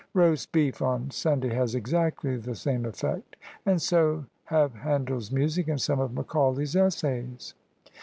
Roast beef on Sun day has exactly the same effect ; and so have Handel's music and some of Macaulay's Essays."